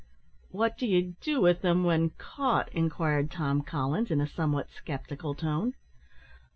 "What do you do with them when caught?" inquired Tom Collins, in a somewhat sceptical tone.